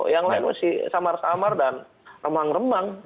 yang lain mesti samar samar dan remang remang